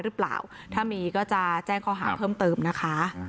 หรือเปล่าถ้ามีก็จะแจ้งข้อหาเพิ่มเติมนะคะ